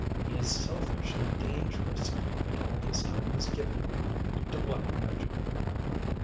He is selfish and dangerous, and all his time is given to Black Magic."